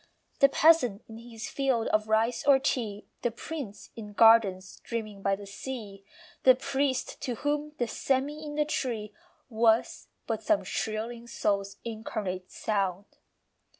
The peasant in his field of rice or tea, The prince in gardens dreaming by the sea, The priest to whom the sêmi in the tree Was but some shrilling soul's incarnate sound.